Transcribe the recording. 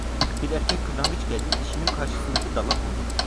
Bir erkek kırlangıç geldi, dişinin karşısındaki dala kondu.